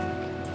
terima kasih ya